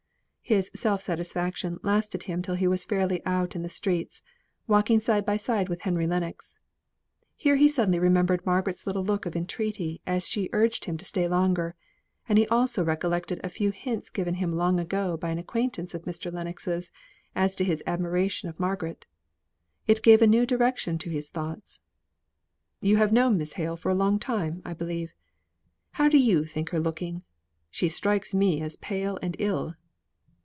His self satisfaction lasted him till he was fairly out in the streets, walking side by side with Henry Lennox. Here he suddenly remembered Margaret's little look of entreaty as she urged him to stay longer, and he also recollected a few hints given him long ago by an acquaintance of Mr. Lennox's, as to his admiration of Margaret. It gave a new direction to his thoughts. "You have known Miss Hale for a long time, I believe. How do you think her looking? She strikes me as pale and ill."